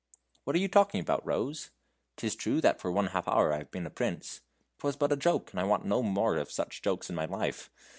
"What are you talking about, Rose? 'T is true that for one half hour I have been a prince; 't was but a joke, and I want no more of such jokes in my life.